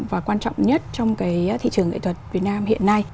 và quan trọng nhất trong cái thị trường nghệ thuật việt nam hiện nay